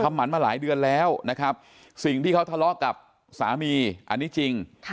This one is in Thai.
หมันมาหลายเดือนแล้วนะครับสิ่งที่เขาทะเลาะกับสามีอันนี้จริง